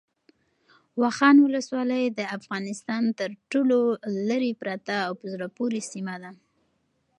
واخان ولسوالۍ د افغانستان تر ټولو لیرې پرته او په زړه پورې سیمه ده.